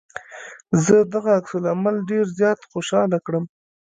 زه دغه عکس العمل ډېر زيات خوشحاله کړم.